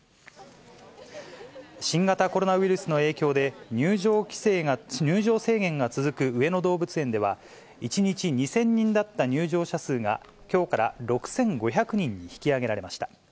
新型コロナウイルスの影響で、入場制限が続く上野動物園では、１日２０００人だった入場者数が、きょうから６５００人に引き上げられました。